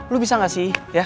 lo bisa gak sih ya